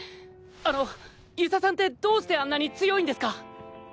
あの遊佐さんってどうしてあんなに強いんですか？